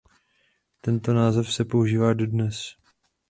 Tento název se používá dodnes.